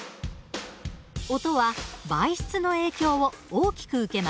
音は媒質の影響を大きく受けます。